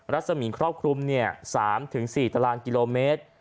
รัศมีนครอบคลุม๓๔ตารางกิโลเมตร